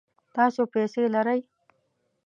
تاسو پیسې لرئ؟